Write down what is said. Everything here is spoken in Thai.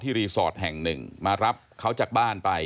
รีสอร์ทแห่งหนึ่งมารับเขาจากบ้านไป